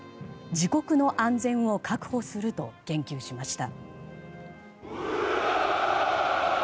自国の安全を確保すると言及しました。